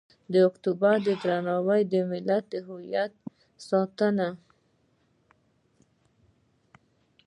د کلتور درناوی د ملت هویت ساتي.